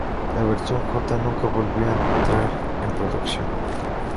La versión J nunca volvió a entrar en producción.